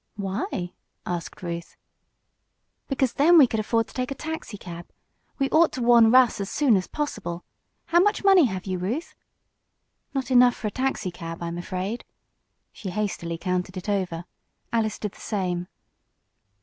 "Why?" asked Ruth. "Because then we could afford to take a taxicab. We ought to warn Russ as soon as possible. How much money have you, Ruth?" "Not enough for a taxicab, I'm afraid." She hastily counted it over. Alice did the same.